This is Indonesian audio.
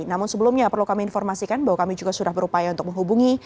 namun sebelumnya perlu kami informasikan bahwa kami juga sudah berupaya untuk menghubungi